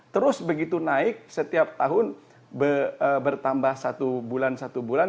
terus begitu naik setiap tahun bertambah satu bulan satu bulan